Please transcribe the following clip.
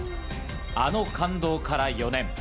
あの感動から４年。